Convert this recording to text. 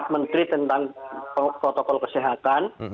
menteri tentang protokol kesehatan